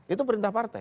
itu perintah partai